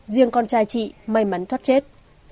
riêng con trai chị may mắn thoát chết